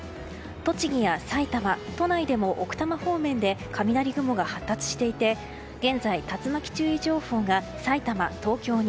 栃木や埼玉都内でも奥多摩方面で雷雲が発達していて現在、竜巻注意情報がさいたま、東京に。